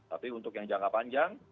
tapi untuk yang jangka panjang